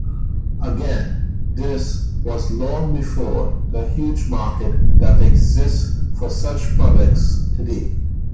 Again, this was long before the huge market that exists for such products today.